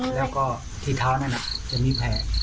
แล้วก็ที่เท้านั้นจะมีแผล